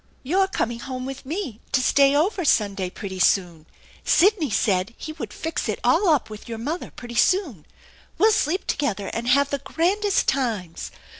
" You're coming home with me to stay over Sunday pretty soon. Sidney said he would fix it all up with your mother pretty soon. We'll sleep together and have the grandest times.